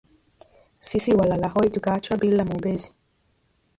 Sisi walalahoi tukaachwa bila mwombezi